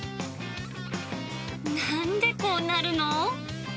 なんでこうなるの？